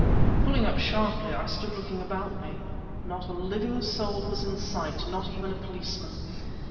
Pulling up sharply I stood looking about me. Not a living soul was in sight; not even a policeman.